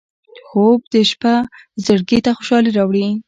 خوب د شپه زړګي ته خوشالي راوړي